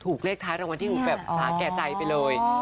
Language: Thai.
ถูกเลขท้ายรางวัลที่แบบช้าแก่ใจไปเลย